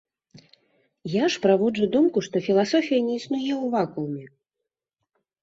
Я ж праводжу думку, што філасофія не існуе ў вакууме.